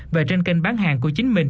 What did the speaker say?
và trên kênh bán hàng của chính mình